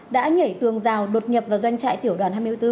đã nhảy tường rào đột nhập vào doanh trại tiểu đoàn hai mươi bốn